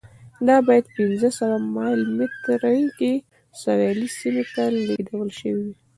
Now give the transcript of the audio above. دا باید پنځه سوه مایل مترۍ کې سویل سیمې ته لېږدول شوې وای.